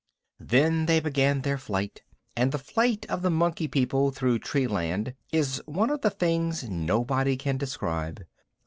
Then they began their flight; and the flight of the Monkey People through tree land is one of the things nobody can describe.